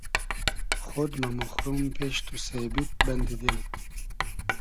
خۉد مۂ موخروم پیش تو سېبید بئندی دیل